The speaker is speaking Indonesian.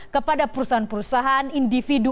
kepada perusahaan perusahaan individu